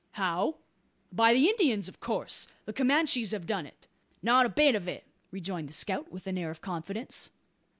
"How! by the Indians, of course? The Comanches have done it?" "Not a bit of it," rejoined the scout, with an air of confidence.